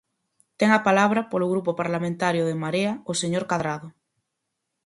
Ten a palabra, polo Grupo Parlamentario de En Marea, o señor Cadrado.